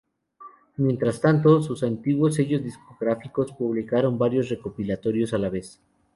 Mientras tanto, sus antiguos sellos discográficos, publicaron varios recopilatorios a la vez.